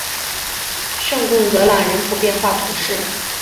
圣贡德朗人口变化图示